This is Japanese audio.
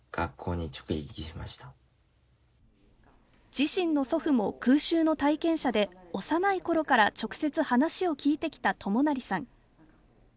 自身の祖父も空襲の体験者で、幼いころから直接、話を聞いてきた智也さん。